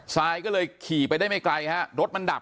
ซายก็เลยขี่ไปได้ไม่ไกลฮะรถมันดับ